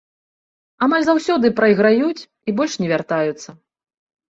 Амаль заўсёды прайграюць і больш не вяртаюцца.